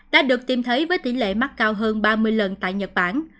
đã được tìm thấy với tỷ lệ mắc cao hơn ba mươi lần tại nhật bản